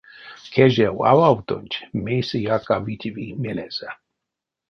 Кежев ававтонть мейсэяк а витеви мелезэ.